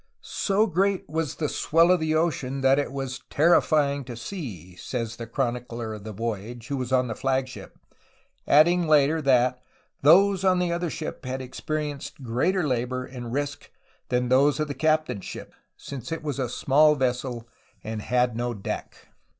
"So great was ^the swell of the ocean that it was terrifying to see," NORTHERN MYSTERY— DISCOVERY OF ALTA CALIFORNIA 79 says the chronicler of the voyage, who was on the flagship, adding later that "Those on the other ship had experienced greater labor and risk than those of the captain^s ship, since it was .a small vessel and had no deck."